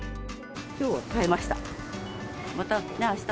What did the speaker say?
きょうは買えました。